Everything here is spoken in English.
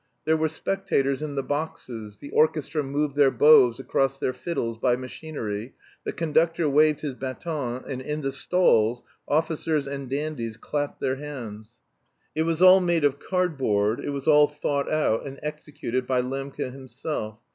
There were spectators in the boxes, the orchestra moved their bows across their fiddles by machinery, the conductor waved his baton, and in the stalls officers and dandies clapped their hands. It was all made of cardboard, it was all thought out and executed by Lembke himself.